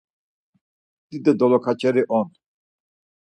Dido doloǩaçeri on.